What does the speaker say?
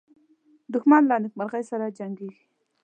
دښمن له نېکمرغۍ سره جنګیږي